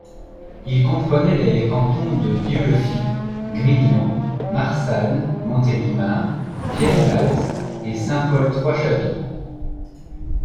Il comprenait les cantons de Dieulefit, Grignan, Marsanne, Montélimar, Pierrelatte et Saint-Paul-Trois-Châteaux.